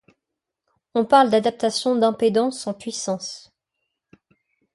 On parle d'adaptation d'impédances en puissance.